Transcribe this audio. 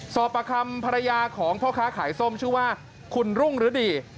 ประคำภรรยาของพ่อค้าขายส้มชื่อว่าคุณรุ่งฤดี